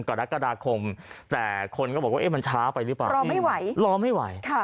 กรกฎาคมแต่คนก็บอกว่าเอ๊ะมันช้าไปหรือเปล่ารอไม่ไหวรอไม่ไหว